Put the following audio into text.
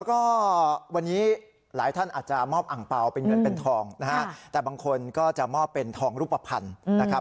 แล้วก็วันนี้หลายท่านอาจจะมอบอังเปล่าเป็นเงินเป็นทองนะฮะแต่บางคนก็จะมอบเป็นทองรูปภัณฑ์นะครับ